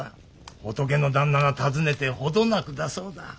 仏の旦那が訪ねて程なくだそうだ。